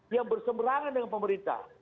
yang berseberangan dengan pemerintah